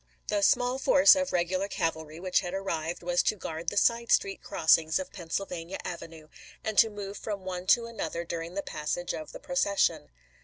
The small force of regular cavalry which had arrived was to guard the side street crossings of Pennsylvania Avenue, and to move from one to another during the passage of the procession.